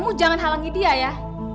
kamu jangan halangi dia ya